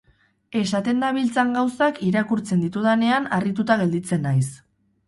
Esaten dabiltzan gauzak irakurtzen ditudanean harrituta gelditzen nahiz.